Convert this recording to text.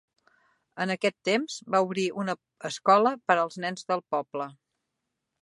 En aquest temps va obrir una escola per als nens del poble.